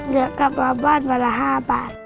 เหลือกลับมาบ้านวันละ๕บาท